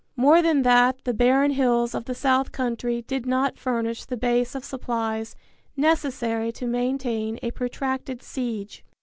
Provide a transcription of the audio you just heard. More than that the barren hills of the South Country did not furnish the base of supplies necessary to maintain a protracted siege.